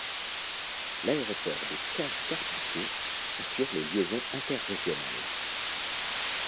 L’aéroport de Caen - Carpiquet assure les liaisons interrégionales.